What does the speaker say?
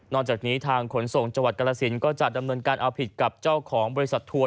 จากนี้ทางขนส่งจังหวัดกรสินก็จะดำเนินการเอาผิดกับเจ้าของบริษัททัวร์